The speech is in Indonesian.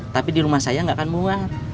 tapi di rumah saya nggak akan muar